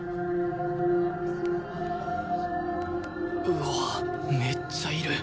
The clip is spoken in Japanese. うわめっちゃいる。